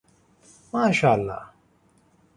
ماشاءالله